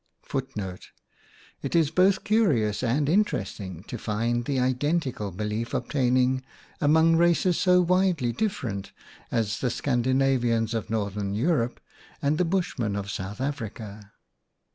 1 1 It is both curious and interesting to find the identical belief obtaining amongst races so widely different as the Scandinavians of Northern Europe and the Bushmen of South Africa.